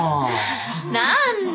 何だ。